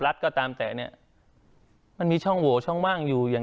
ก็ตามแต่เนี้ยมันมีช่องโหวช่องว่างอยู่อย่าง